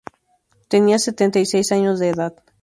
Tenía setenta y seis años de edad.